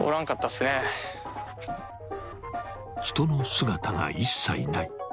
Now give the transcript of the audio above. ［人の姿が一切ない］